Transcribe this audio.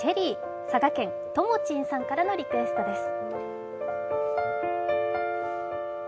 佐賀県のともちんさんからのリクエストです。